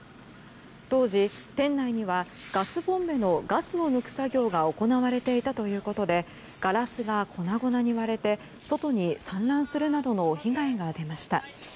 当時、店内ではガスボンベのガスを抜く作業が行われていたということでガラスが粉々に割れて外に散乱するなどの被害が出ました。